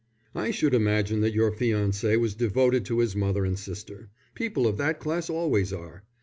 "I should imagine that your fiancé was devoted to his mother and sister. People of that class always are.